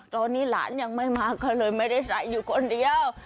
ตอนนี้หลานยังไม่มาก็เลยไม่ได้ใส่อยู่คนเดียว